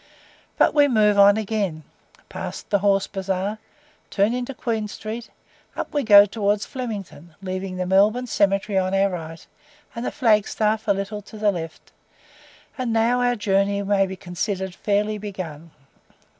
But we move on again pass the Horse Bazaar turn into Queen Street up we go towards Flemington, leaving the Melbourne cemetery on our right, and the flag staff a little to the left; and now our journey may be considered fairly begun.